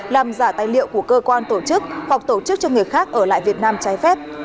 làm giả tài liệu của cơ quan tổ chức hoặc tổ chức cho người khác ở lại việt nam trái phép